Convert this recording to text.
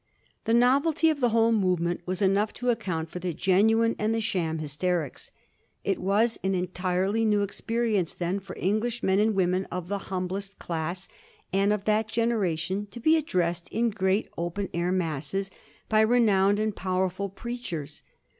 The novelty of the whole movement was enough to account for the genuine and the sham hysterics. It was an entirely new experi ence then for English men and women of the humblest class, and of that generation, to be addressed in great open air masses by renowned and powerful preachers.